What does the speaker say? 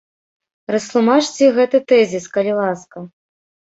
Растлумачце гэты тэзіс, калі ласка.